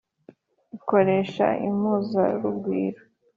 Ikoresha impuzarugwiro.